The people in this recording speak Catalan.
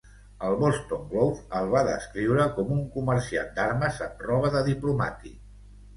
El "Boston Globe" el va descriure com "un comerciant d'armes amb roba de diplomàtic.